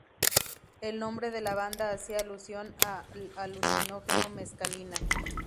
El nombre de la banda hacía alusión al alucinógeno mescalina.